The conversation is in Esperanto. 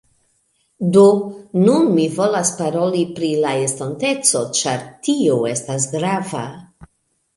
Do, nun mi volas paroli pri la estonteco ĉar tio estas grava